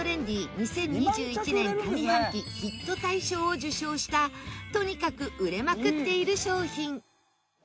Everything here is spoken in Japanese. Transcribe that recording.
２０２１年上半期ヒット大賞を受賞したとにかく売れまくっている商品。